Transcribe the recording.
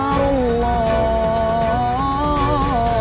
kau akan diserang kami